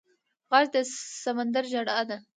غږ د سمندر ژړا ده